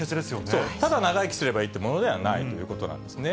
そう、ただ長生きすればいいっていうものではないということですね。